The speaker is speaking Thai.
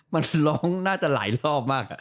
มันร้องน่าจะหลายรอบมาก